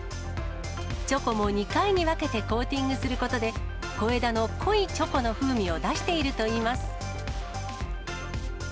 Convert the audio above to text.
チョコも２回に分けてコーティングすることで、小枝の濃いチョコの風味を出しているといいます。